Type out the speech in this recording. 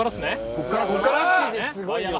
こっからこっから！